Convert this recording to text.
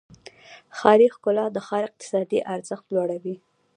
ښاري ښکلا د ښار اقتصادي ارزښت لوړوي.